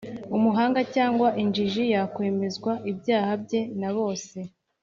umuhanga cyangwa injiji yakwemezwa ibyaha bye na bose